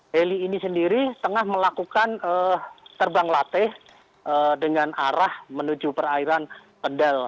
heli ini sendiri tengah melakukan terbang latih dengan arah menuju perairan kendal